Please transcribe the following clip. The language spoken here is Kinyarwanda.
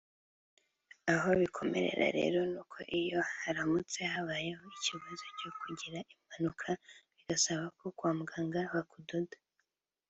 aho bikomerera rero nuko iyo haramutse habayeho ikibazo cyo kugira impanuka bigasaba ko kwa muganga bakudoda